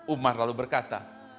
umar lalu berkata